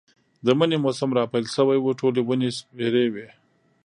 د مني موسم را پيل شوی و، ټولې ونې سپېرې وې.